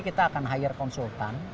kita akan hire konsultan